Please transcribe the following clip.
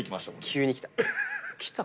急にきた！